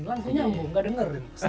langsung nyambung nggak denger